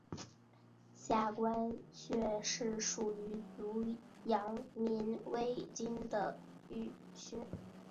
下关穴是属于足阳明胃经的腧穴。